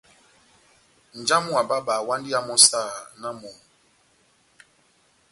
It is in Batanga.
Nja wamu wa bába awandi iya mɔ́ saha múna wa momó.